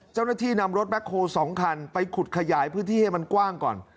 เจ้าหน้าที่นำรถแบ็คโฮล๒คันไปขุดขยายพื้นที่ให้มันกว้างก่อน